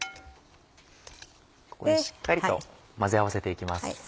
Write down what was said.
ここでしっかりと混ぜ合わせて行きます。